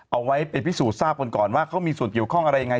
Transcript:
เอาไว้ไปพิสูจนทราบกันก่อนว่าเขามีส่วนเกี่ยวข้องอะไรยังไง